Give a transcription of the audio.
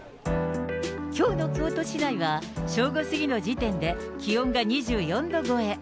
きょうの京都市内は、正午過ぎの時点で気温が２４度超え。